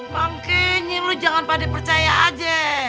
mungkin lu jangan pade percaya aja